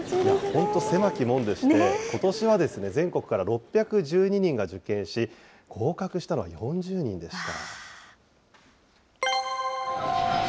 本当狭き門でして、ことしは全国から６１２人が受験し、合格したのは４０人でした。